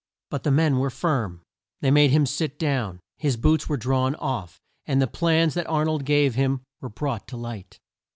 But the men were firm. They made him sit down, his boots were drawn off, and the plans that Ar nold gave him were brought to light.